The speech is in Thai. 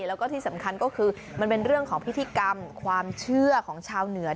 แล้วก็ที่สำคัญก็คือมันเป็นเรื่องของพิธีกรรมความเชื่อของชาวเหนือ